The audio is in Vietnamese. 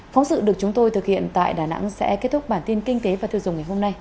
phóng sự được chúng tôi thực hiện tại đà nẵng sẽ kết thúc bản tin kinh tế và tiêu dùng ngày hôm nay